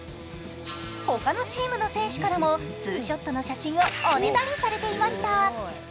他のチームの選手からもツーショットの写真をおねだりされていました。